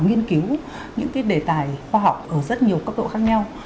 nghiên cứu những cái đề tài khoa học ở rất nhiều cấp độ khác nhau